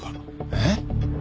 えっ！？